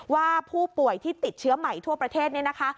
ว่าผู้ป่วยที่ติดเชื้อใหม่ทั่วประเทศเนี่ยนะคะ